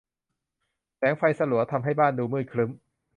แสงไฟสลัวทำให้บ้านดูมืดครึ้ม